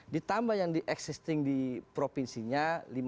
ditambah yang existing di provinsinya lima belas